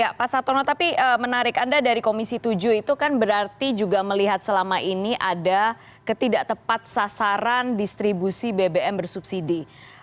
ya pak satono tapi menarik anda dari komisi tujuh itu kan berarti juga melihat selama ini ada ketidak tepat sasaran distribusi bbm bersubsidi